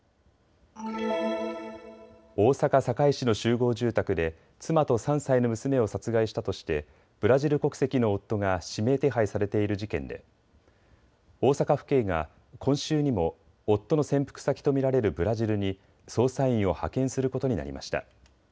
大阪堺市の集合住宅で妻と３歳の娘を殺害したとしてブラジル国籍の夫が指名手配されている事件で大阪府警が今週にも夫の潜伏先と見られるブラジルに捜査員を派遣することになりました。